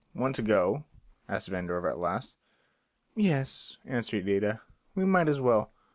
"Want to go?" asked Vandover at last. "Yes," answered Ida, "we might as well.